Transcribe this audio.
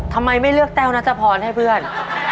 ทำไมไม่เลือกแต้วนัทพรให้เพื่อน